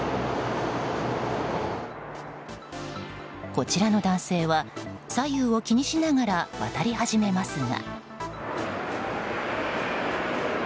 こちらの男性は左右を気にしながら渡り始めますが。